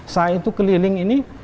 saya itu keliling ini